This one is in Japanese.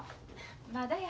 まだや。